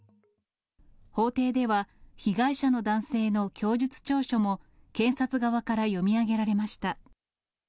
法廷では、被害者の男性の供述調書も、検察側から読み上げられました。